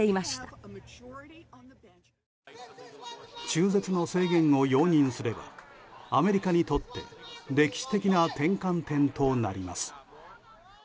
中絶の制限を容認すればアメリカにとって歴史的な転換点となります。